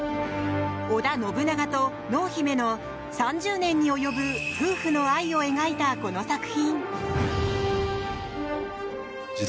織田信長と濃姫の３０年に及ぶ夫婦の愛を描いた、この作品。